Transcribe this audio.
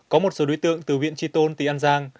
có một số đối tượng từ huyện tri tôn tỉ an giang